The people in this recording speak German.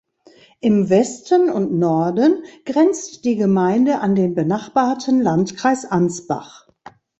Im Westen und Norden grenzt die Gemeinde an den benachbarten Landkreis Ansbach.